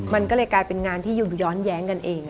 มันก็เลยกลายเป็นงานที่อยู่ย้อนแย้งกันเอง